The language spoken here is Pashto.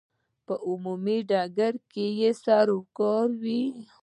په عمومي ډګر کې یې سروکار وي.